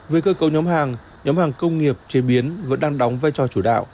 về cơ cấu nhóm hàng nhóm hàng công nghiệp chế biến vẫn đang đóng vai trò chủ đạo